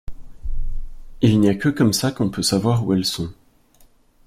Il n’y a que comme ça qu’on peut savoir où elles sont.